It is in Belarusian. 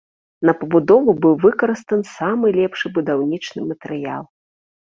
На пабудову быў выкарыстан самы лепшы будаўнічы матэрыял.